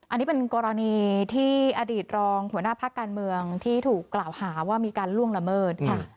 อันนี้เป็นกรณีที่อดีตรองหัวหน้าพักการเมืองที่ถูกกล่าวหาว่ามีการล่วงละเมิด